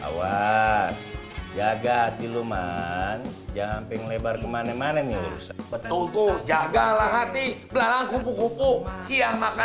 awas jaga hati lu man jangan pengen lebar ke mana mana nih betul tuh jagalah hati siang makan